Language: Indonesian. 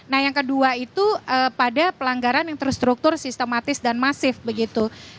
nah yang kedua itu pada pelanggaran yang terstruktur sistematis dan masif begitu